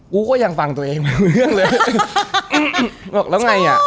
กูก็ยังฟังตัวเองบางเรื่องเลย